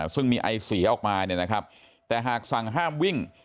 ซึ่งมีไอเสียออกมาเนี่ยนะครับแต่หากสั่งห้ามวิ่ง